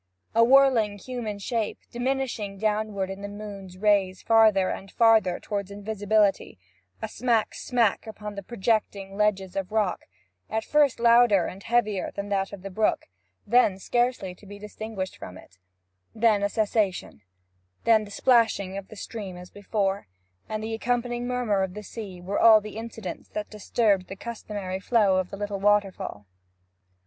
A whirling human shape, diminishing downward in the moon's rays farther and farther toward invisibility, a smack smack upon the projecting ledges of rock at first louder and heavier than that of the brook, and then scarcely to be distinguished from it then a cessation, then the splashing of the stream as before, and the accompanying murmur of the sea, were all the incidents that disturbed the customary flow of the little waterfall.